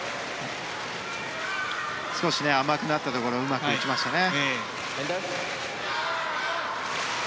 少し甘くなったところをうまく打ちましたね。